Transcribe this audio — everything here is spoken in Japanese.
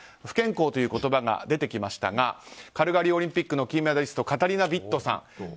不健康という言葉が出てきましたがカルガリーオリンピックの金メダリストカタリナ・ビットさん。